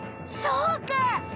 そうか！